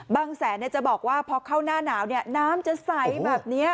บางแสนเนี้ยจะบอกว่าพอเข้าหน้าหนาวเนี้ยน้ำจะใสแบบเนี้ย